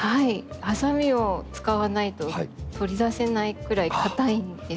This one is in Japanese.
はさみを使わないと取り出せないくらい硬いんです。